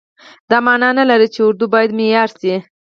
دا معنا نه لري چې اردو باید معیار شي.